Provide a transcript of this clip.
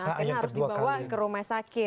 karena harus dibawa ke rumah sakit